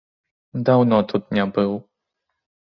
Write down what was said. Даўно тут не быў.